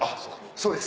そうです。